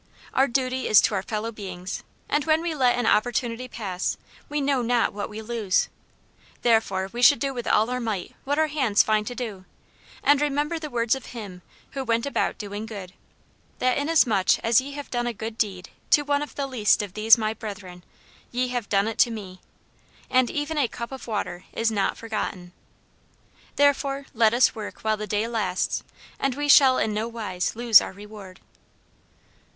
Our duty is to our fellow beings, and when we let an opportunity pass, we know not what we lose. Therefore we should do with all our might what our hands find to do; and remember the words of Him who went about doing good, that inasmuch as ye have done a good deed to one of the least of these my brethren, ye have done it to me; and even a cup of water is not forgotten. Therefore, let us work while the day lasts, and we shall in no wise lose our reward.